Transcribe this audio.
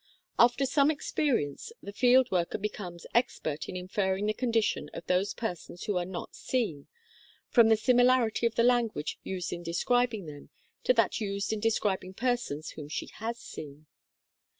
After some experience, the field worker becomes ex pert in inferring the condition of those persons who are not seen, from the similarity of the language used in describing them to that used in describing persons whom she has seen.